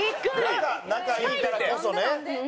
仲いいからこそね。